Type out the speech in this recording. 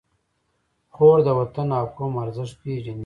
خور د وطن او قوم ارزښت پېژني.